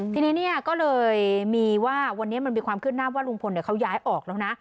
ทีนี้เนี่ยก็เลยมีว่าวันนี้มันมีความขึ้นหน้าว่าลุงพลเขาย้ายออกแล้วนะ